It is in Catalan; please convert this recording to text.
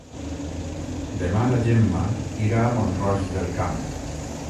Demà na Gemma irà a Mont-roig del Camp.